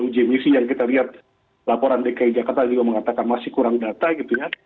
uji emisi yang kita lihat laporan dki jakarta juga mengatakan masih kurang data gitu ya